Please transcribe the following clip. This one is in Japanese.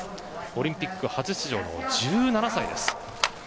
オリンピック初出場の１７歳です。